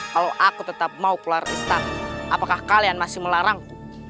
kalau aku tetap mau keluar istana apakah kalian masih melarangku